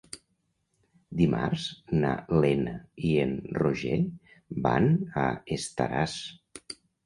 Dimarts na Lena i en Roger van a Estaràs.